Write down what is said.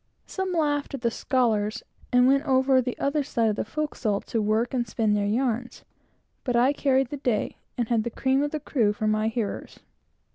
Some laughed at the "scholars," and went over the other side of the forecastle, to work, and spin their yarns; but I carried the day, and had the cream of the crew for my hearers.